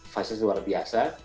fansets luar biasa